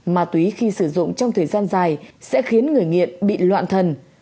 ma túy khi sử dụng trong thời gian dài sẽ khiến người nghiện bị loạn thần